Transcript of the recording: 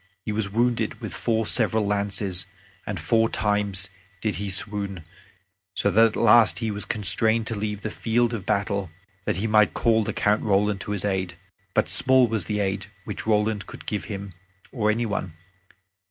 He was wounded with four several lances, and four times did he swoon, so that at the last he was constrained to leave the field of battle, that he might call the Count Roland to his aid. But small was the aid which Roland could give him or any one.